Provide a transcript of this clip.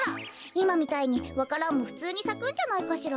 いまみたいにわか蘭もふつうにさくんじゃないかしら。